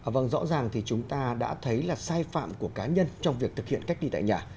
vâng rõ ràng thì chúng ta đã thấy là sai phạm của cá nhân trong việc thực hiện cách ly tại nhà